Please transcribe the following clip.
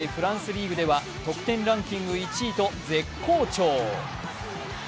現在、フランスリーグでは得点ランキング１位と絶好調。